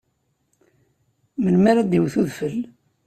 Melmi ara d-iwet udfel?